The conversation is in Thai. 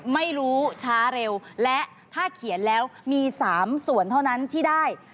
ไม่รู้ช้าเร็วและถ้าเขียนแล้วมี๓ส่วนเท่านั้นที่ได้